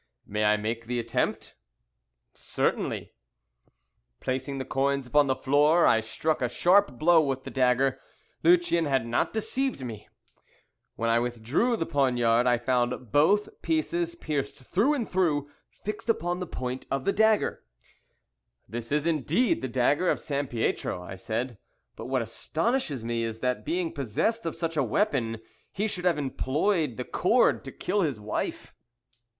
"May I make the attempt?" "Certainly." Placing the coins upon the floor, I struck a sharp blow with the dagger. Lucien had not deceived me. When I withdrew the poignard I found both pieces pierced through and through, fixed upon the point of the dagger. "This is indeed the dagger of Sampietro," I said. "But what astonishes me is that being possessed of such a weapon he should have employed the cord to kill his wife."